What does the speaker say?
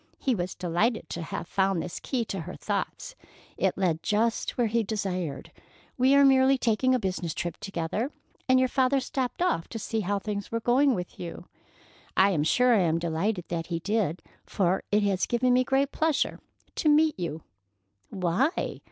He was delighted to have found this key to her thoughts. It led just where he desired. "We are merely taking a business trip together, and your father stopped off to see how things were going with you. I am sure I am delighted that he did, for it has given me great pleasure to meet you." "Why?"